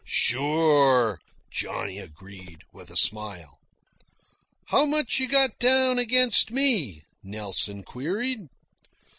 "Sure," Johnny agreed, with a smile. "How much you got down against me?" Nelson queried.